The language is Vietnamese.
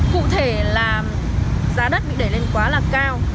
cụ thể là giá đất bị đẩy lên quá là cao